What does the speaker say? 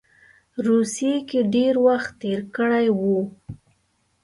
روسیې کې ډېر وخت تېر کړی وو.